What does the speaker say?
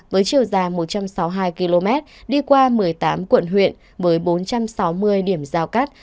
với chiều dài một trăm sáu mươi hai km đi qua một mươi tám quận huyện với bốn trăm sáu mươi điểm giao cắt